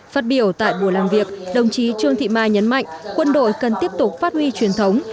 phát biểu tại buổi làm việc đồng chí trương thị mai nhấn mạnh quân đội cần tiếp tục phát huy truyền thống